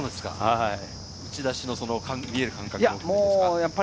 打ちだしの見える間隔ですか？